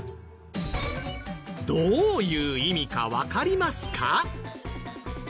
どういう意味かわかりますか？